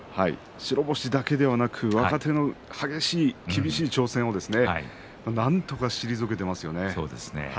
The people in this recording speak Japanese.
白星だけではなく若手の激しい厳しい挑戦をなんとか退けていますよね。